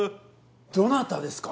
どなたですか？